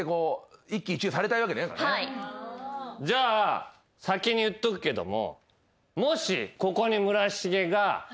じゃあ先に言っとくけども。